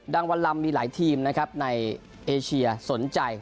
วันลำมีหลายทีมนะครับในเอเชียสนใจ